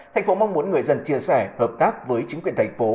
tp hcm mong muốn người dân chia sẻ hợp tác với chính quyền thành phố